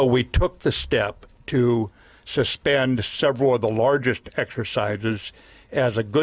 tidak ada rencana untuk menunda latihan militer lagi